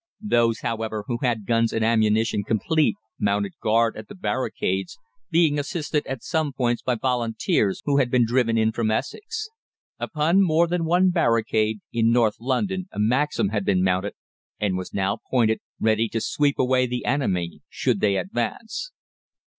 Those, however, who had guns and ammunition complete mounted guard at the barricades, being assisted at some points by Volunteers who had been driven in from Essex. Upon more than one barricade in North London a Maxim had been mounted, and was now pointed, ready to sweep away the enemy should they advance.